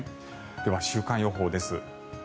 では、週間予報です。